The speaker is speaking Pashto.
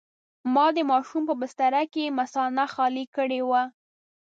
ما د ماشوم په بستره کې مثانه خالي کړې وه.